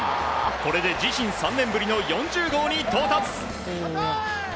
これで自身３年ぶりの４０号に到達。